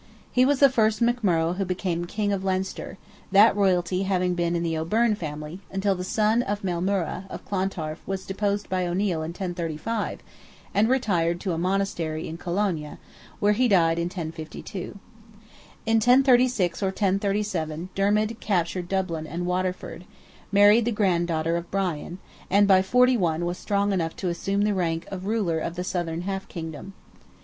He was the first McMurrogh who became King of Leinster, that royalty having been in the O'Byrne family, until the son of Maelmurra, of Clontarf, was deposed by O'Neil in 1035, and retired to a monastery in Cologne, where he died in 1052. In 1036 or 1037 Dermid captured Dublin and Waterford, married the grand daughter of Brian, and by '41 was strong enough to assume the rank of ruler of the southern half kingdom.